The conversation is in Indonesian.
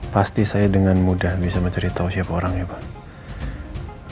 pasti saya dengan mudah bisa menceritakan siapa orangnya pak